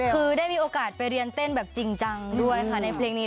คือได้มีโอกาสไปเรียนเต้นแบบจริงจังด้วยค่ะในเพลงนี้